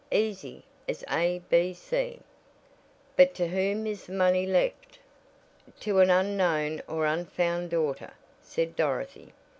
Easy as a, b, c. But to whom is the money left?" "To an unknown or unfound daughter," said Dorothy.